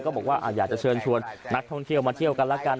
บอกว่าอยากจะเชิญชวนนักท่องเที่ยวมาเที่ยวกันแล้วกัน